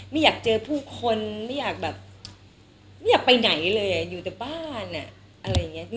ไม่อยากเจอผู้คนไม่อยากแบบไม่อยากไปไหนเลยอยู่แต่บ้านอะ